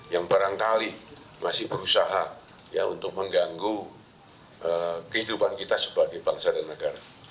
yang barangkali masih berusaha untuk mengganggu kehidupan kita sebagai bangsa dan negara